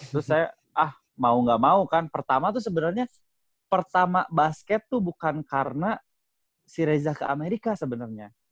terus saya ah mau gak mau kan pertama tuh sebenarnya pertama basket tuh bukan karena si reza ke amerika sebenarnya